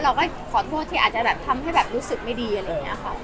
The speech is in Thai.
เราก็ขอโทษที่อาจจะแบบทำให้แบบรู้สึกไม่ดีอะไรอย่างนี้ค่ะ